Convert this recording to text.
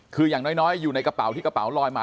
คืออย่างน้อยอยู่ในกระเป๋าที่กระเป๋าลอยมา